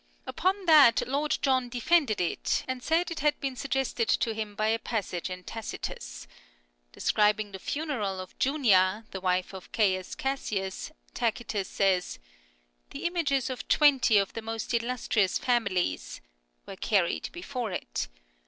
Upon that Lord John defended it, and said it had been suggested to him by a passage in Tacitus. Describing the funeral of Junia, the wife of Caius Cassius, Tacitus says :•" The images of twenty of the most illustrious families ... were carried before it.